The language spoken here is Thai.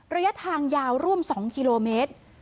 ระยะทางยาวร่วม๒กิโลเมตร